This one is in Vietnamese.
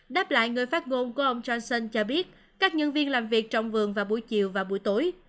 đáp lại người phát ngôn của ông johnson cho biết các nhân viên làm việc trong vườn vào buổi chiều và buổi tối